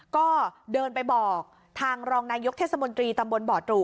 ก็เดินไปบอกทางรองนายกเทศมนตรีตำบลบ่อตรู